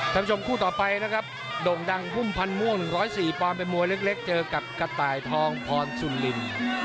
ท่านผู้ชมคู่ต่อไปนะครับโด่งดังพุ่มพันธ์ม่วง๑๐๔ปอนด์เป็นมวยเล็กเจอกับกระต่ายทองพรสุริน